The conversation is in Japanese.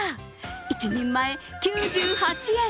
１人前９８円！